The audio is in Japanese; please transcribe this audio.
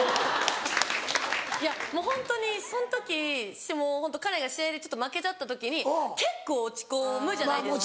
いやもうホントにそん時もうホント彼が試合で負けちゃった時に結構落ち込むじゃないですか。